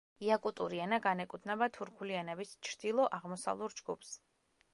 იაკუტური ენა განეკუთვნება თურქული ენების ჩრდილო-აღმოსავლურ ჯგუფს.